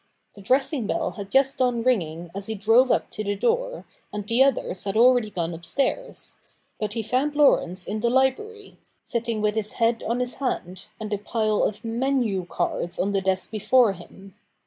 The dressing bell had just done ringing as he drove up to the door, and the others had already gone upstairs ; but he found Laurence in the library, sitting with his head on his hand, and a pile of menu c2irdiS on the desk before him.